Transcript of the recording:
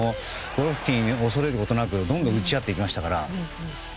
ゴロフキン恐れることなく、どんどん打ち合っていましたから。